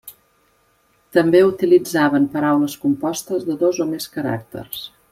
També utilitzaven paraules compostes de dos o més caràcters.